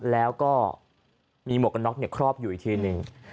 แล้วก็มีหมวกน๊อกเนี่ยครอบอยู่อีกทีนึง